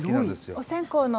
お線香の。